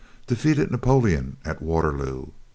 Defeated Napoleon at Waterloo.